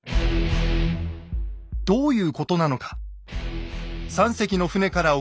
どういうことなのか。